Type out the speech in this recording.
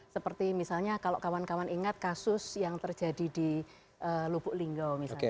seperti misalnya kalau kawan kawan ingat kasus yang terjadi di lubuk linggau misalnya